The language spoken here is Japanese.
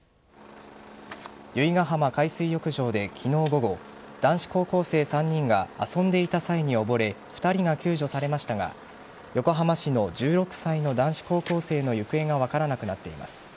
由比ガ浜海水浴場で昨日午後男子高校生３人が遊んでいた際に溺れ２人が救助されましたが横浜市の１６歳の男子高校生の行方が分からなくなっています。